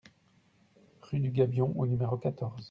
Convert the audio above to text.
Rue du Gabion au numéro quatorze